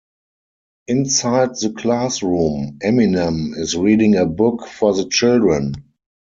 Inside the classroom, Eminem is reading a book for the children.